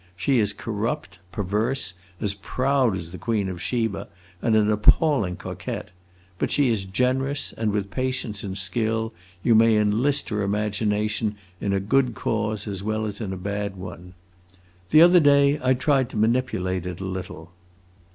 She is corrupt, perverse, as proud as the queen of Sheba, and an appalling coquette; but she is generous, and with patience and skill you may enlist her imagination in a good cause as well as in a bad one. The other day I tried to manipulate it a little.